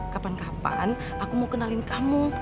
kapan kapan aku mau kenalin kamu